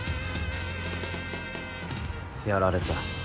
やられた。